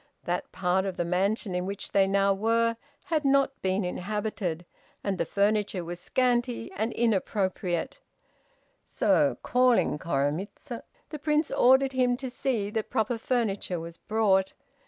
That part of the mansion in which they now were, had not been inhabited, and the furniture was scanty and inappropriate; so, calling Koremitz, the Prince ordered him to see that proper furniture was brought.